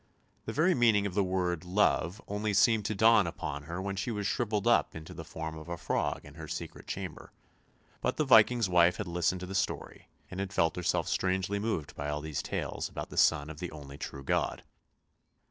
The very meaning of the word " love " only seemed to dawn upon her when she was shrivelled up into the form of a frog in her secret chamber, but the Viking's wife had listened to the story, and had felt herself strangely moved by these tales about the Son of the only true God.